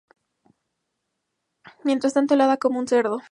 Mientras tanto, el hada como un cerdo.